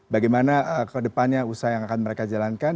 bagaimana kedepannya usaha yang akan mereka jalankan